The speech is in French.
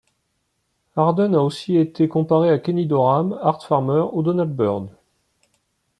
Harden a aussi alors été comparé à Kenny Dorham, Art Farmer ou Donald Byrd.